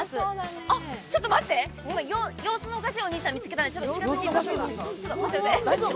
あっ、ちょっと待って、今、様子のおかしいお兄さんを見つけたのでちょっと近づいてみますね。